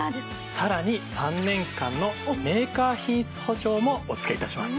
さらに３年間のメーカー品質保証もお付けいたします。